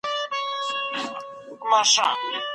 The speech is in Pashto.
بهرنۍ مرستي له غریبو هیوادونو سره مرسته کوي.